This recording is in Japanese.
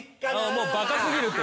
もうバカすぎるって。